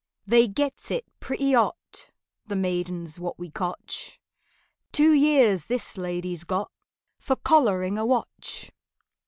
"They gets it pretty hot, The maidens what we cotch— Two years this lady's got For collaring a wotch."